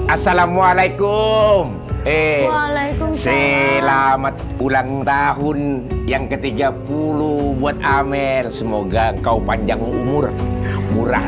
assalamualaikum eh selamat ulang tahun yang ke tiga puluh buat amel semoga engkau panjang umur murah